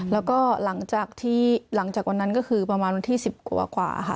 แล้วก็หลังจากที่หลังจากวันนั้นก็คือประมาณวันที่๑๐กว่าค่ะ